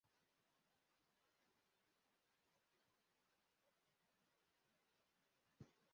Umuntu arimo gukora amayeri hamwe nigare kumurongo